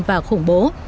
và khủng bố